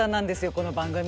この番組。